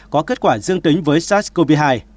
có kết quả dương tính với sars cov hai